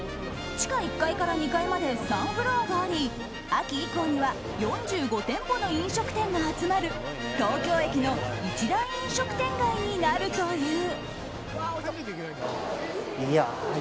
地下１階から２階まで３フロアがあり秋以降には４５店舗の飲食店が集まる東京駅の一大飲食店街になるという。